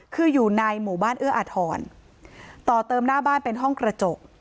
คืออยู่ในหมู่บ้านเอื้ออาทรต่อเติมหน้าบ้านเป็นห้องกระจก